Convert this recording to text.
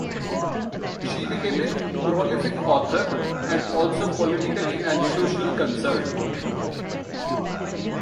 She became a prolific author, and also politically and socially concerned.